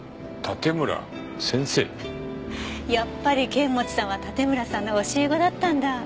やっぱり剣持さんは盾村さんの教え子だったんだ。